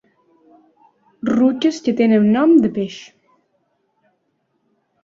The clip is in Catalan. Ruques que tenen nom de peix.